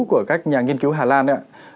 của các nhà nghiên cứu hà lan